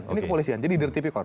ini kepolisian jadi direkti pikor